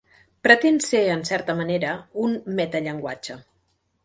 Pretén ser en certa manera un metallenguatge.